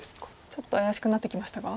ちょっと怪しくなってきましたか？